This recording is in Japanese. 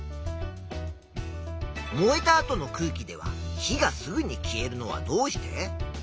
燃えた後の空気では火がすぐに消えるのはどうして？